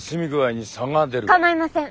構いません。